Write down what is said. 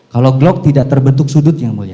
kalau glock tidak terbentuk sudut yang mulia